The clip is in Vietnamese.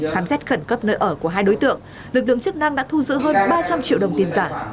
khám xét khẩn cấp nơi ở của hai đối tượng lực lượng chức năng đã thu giữ hơn ba trăm linh triệu đồng tiền giả